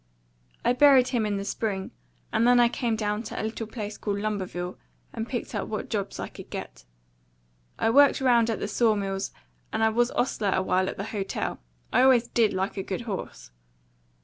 I buried him in the spring; and then I came down to a little place called Lumberville, and picked up what jobs I could get. I worked round at the saw mills, and I was ostler a while at the hotel I always DID like a good horse.